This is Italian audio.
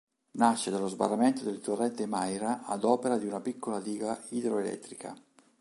Nasce dallo sbarramento del torrente Maira ad opera di una piccola diga idroelettrica.